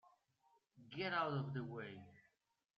Get out of the way!